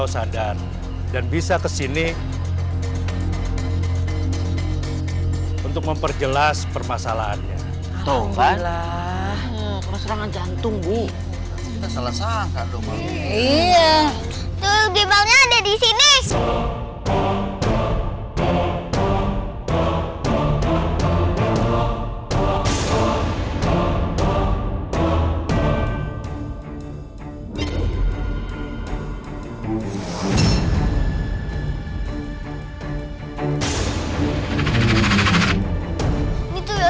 petang tapi ternyata hantu